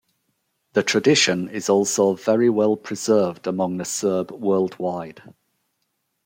The tradition is also very well preserved among the Serb worldwide.